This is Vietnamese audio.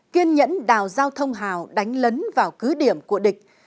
kiên nhẫn đào giao thông hào đánh lấn vào cứ điểm của địch